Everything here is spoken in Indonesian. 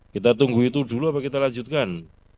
kita tunggu itu dulu apa kita lanjutkan